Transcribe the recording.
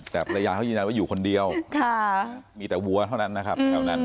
แต่ระยะเขายืนว่าอยู่คนเดียวมีแต่วัวเท่านั้นนะครับ